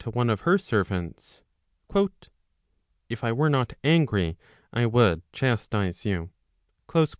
one off her servants, " If I were not angry I would chastize you."